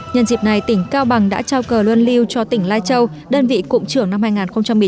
nhân dịp này tỉnh cao bằng đã trao cờ luân lưu cho tỉnh lai châu đơn vị cụm trưởng năm hai nghìn một mươi chín